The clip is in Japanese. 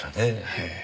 ええ。